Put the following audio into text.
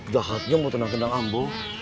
jahatnya mau tenang tenang ambu